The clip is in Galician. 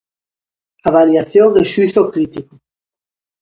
Avaliación e xuízo critico.